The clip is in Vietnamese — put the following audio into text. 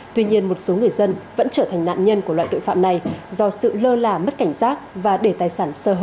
tuy nhiên một số người dân vẫn trở thành nạn nhân của loại tội phạm này do sự lơ là mất cảnh giác và để tài sản sơ hở